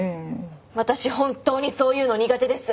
私本当にそういうの苦手です。